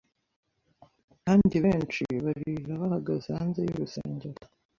Kandi benshi barira bahagaze hanze yurusengero